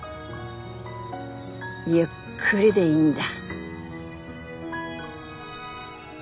ゆっくりでいいんだ。